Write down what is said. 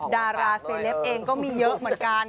ดาราเซเลปเองก็มีเยอะเหมือนกัน